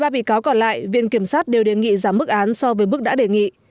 một mươi ba bị cáo còn lại viện kiểm sát đều đề nghị giảm mức án so với bước đã đề nghị